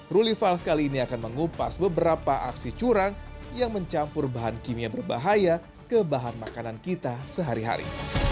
ruli files kali ini akan mengupas beberapa aksi curang yang mencampur bahan kimia berbahaya ke bahan makanan kita sehari hari